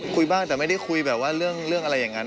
คุยบ้างแต่ไม่ได้คุยแบบว่าเรื่องอะไรอย่างนั้น